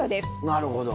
なるほど。